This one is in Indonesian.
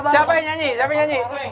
siapa yang nyanyi siapa yang nyanyi